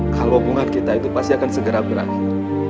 kalau hubungan kita itu pasti akan segera berakhir